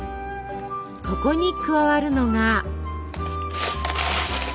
ここに加わるのが。